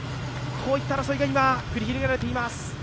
こういった争いが今繰り広げられています。